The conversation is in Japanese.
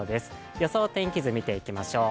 予想天気図を見ていきましょう。